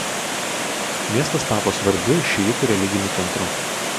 Miestas tapo svarbiu šiitų religiniu centru.